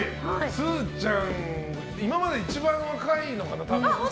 すずちゃん、今まで一番若いのかな、多分。